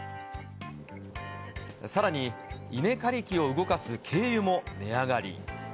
さらに、稲刈り機を動かす軽油も値上がり。